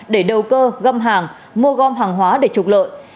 để đầu cơ găm hàng mua gom hàng hóa để trục lợi